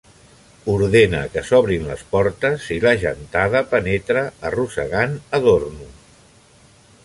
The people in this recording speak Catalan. Ordena que s'obrin les portes i la gentada penetra arrossegant Adorno.